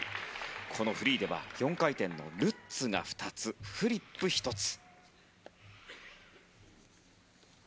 このフリーでは４回転のルッツが２つフリップ１つ。